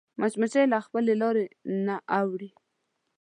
مچمچۍ له خپلې لارې نه اوړي